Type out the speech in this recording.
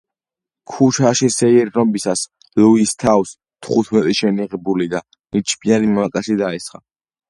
ქუჩაში სეირნობისას, ლუის თავს თხუთმეტი შენიღბული და ნიჩბიანი მამაკაცი დაესხა.